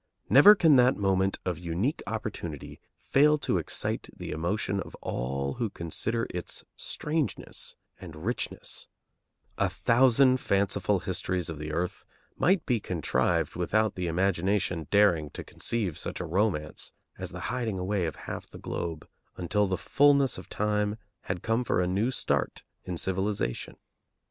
Never can that moment of unique opportunity fail to excite the emotion of all who consider its strangeness and richness; a thousand fanciful histories of the earth might be contrived without the imagination daring to conceive such a romance as the hiding away of half the globe until the fulness of time had come for a new start in civilization.